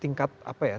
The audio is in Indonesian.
tingkat apa ya